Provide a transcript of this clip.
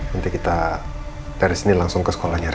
nanti kita dari sini langsung ke sekolahnya rina